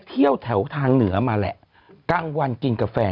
นี่นี่นี่นี่นี่นี่นี่นี่นี่นี่